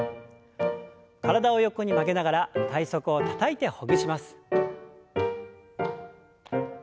体を横に曲げながら体側をたたいてほぐします。